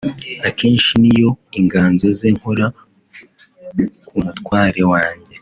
Akenshi niyo inganzo je nkora ku mutware wanjye